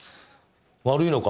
悪いのか？